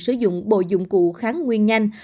sử dụng bộ dụng cụ kháng nguyên nhanh